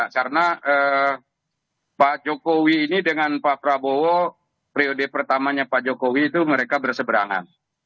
karena pak jokowi ini dengan pak prabowo priode pertamanya pak jokowi itu mereka berseberangan